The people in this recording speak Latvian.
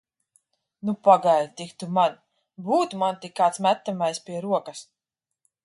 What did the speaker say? Nu, pagaidi tik tu man! Būtu man tik kāds metamais pie rokas!